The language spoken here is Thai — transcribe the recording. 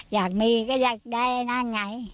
อยากมีก็อยากได้นะไง